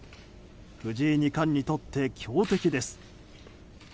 藤井二冠にとって強敵です。